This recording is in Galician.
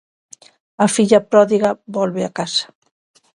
A filla pródiga volve a casa.